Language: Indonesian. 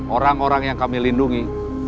orang orang yang kami lindungi